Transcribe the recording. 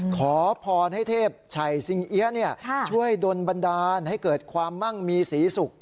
ขอพรให้เทพชัยสิงเอี๊ยะช่วยดนบันดาลให้เกิดความมั่งมีศรีสุข